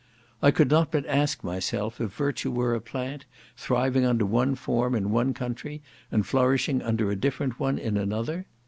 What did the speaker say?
I could not but ask myself if virtue were a plant, thriving under one form in one country, and flourishing under a different one in another?